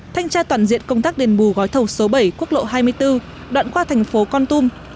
thanh tra toàn diện công tác đền bù gói thầu số bảy quốc lộ hai mươi bốn đoạn qua thành phố con tum